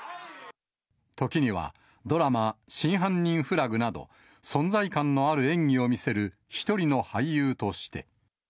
時には、ドラマ、真犯人フラグなど、存在感のある演技を見せる一人の俳優として。